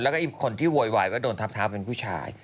แล้วก็อีกคนที่โวยวายว่าโดนทับเท้าเป็นผู้ชาย